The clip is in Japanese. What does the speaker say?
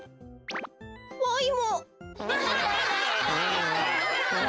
わいも。